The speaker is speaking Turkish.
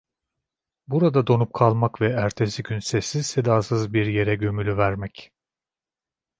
Burada donup kalmak ve ertesi gün sessiz sedasız bir yere gömülüvermek.